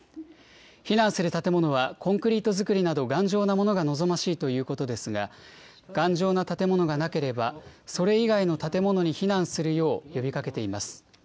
避難する建物はコンクリート造りなど頑丈なものが望ましいということですが、頑丈な建物がなければ、それ以外の建物に避難するよう呼びかけています。